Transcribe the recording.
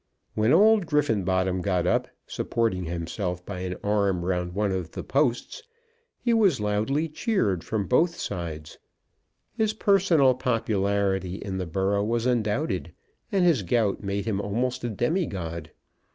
When old Griffenbottom got up, supporting himself by an arm round one of the posts, he was loudly cheered from both sides. His personal popularity in the borough was undoubted, and his gout made him almost a demi god.